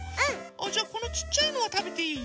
あっじゃこのちっちゃいのはたべていい？